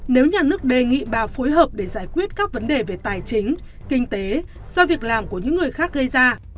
nếu nhà nước đề nghị bà phối hợp để giải quyết các vấn đề về tài chính kinh tế do việc làm của những người khác gây ra